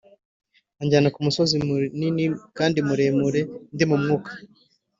Anjyana ku musozi munini kandi muremure ndi mu Mwuka,